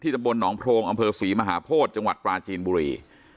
ที่สระบนหนองโพรงอศรีมหาโภชจังหวัดปราชีนบุรี